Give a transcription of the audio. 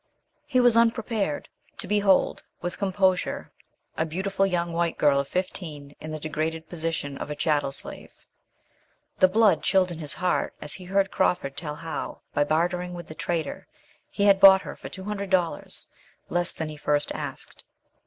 He was unprepared to behold with composure a beautiful young white girl of fifteen in the degraded position of a chattel slave. The blood chilled in his young heart as he heard Crawford tell how, by bartering with the trader, he had bought her for two hundred dollars less than he first asked.